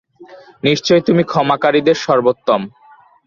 নিশ্চয় তুমি ক্ষমাকারীদের সর্বোত্তম।